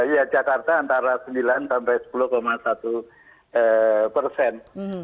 ya jakarta antara sembilan sampai sepuluh satu persen